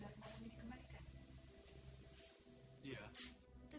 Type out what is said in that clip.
dia tidak mau mendatangkan ini kembalikan